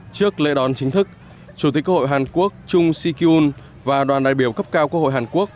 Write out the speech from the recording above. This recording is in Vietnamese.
trước lễ đón chính thức chủ tịch quốc hội hàn quốc trung si ki un và đoàn đại biểu cấp cao quốc hội hàn quốc